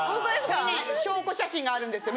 これね証拠写真があるんですよ。